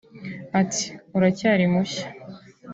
Ati"Uracyari mushya